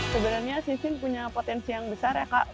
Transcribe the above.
sebenarnya sisin punya potensi yang besar ya kak